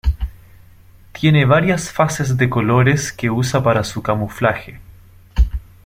Tiene varias fases de colores que usa para su camuflaje.